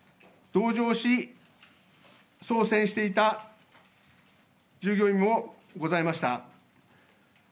同乗し、操船していた従業員もございました。